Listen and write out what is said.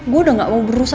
gue udah gak mau berusaha